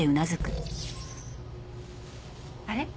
あれ？